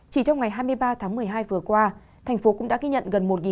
chỉ trong ngày hai mươi ba tháng một mươi hai vừa qua thành phố cũng đã ghi nhận gần một tám trăm linh f